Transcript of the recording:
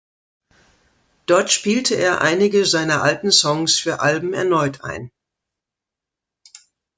Dort spielte er einige seiner alten Songs für Alben erneut ein.